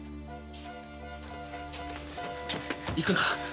行くな！